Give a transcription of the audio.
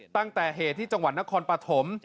ตั้งแต่เหตุที่จังหวัดนครปฐม